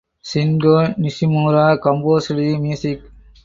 Shingo Nishimura composed the music.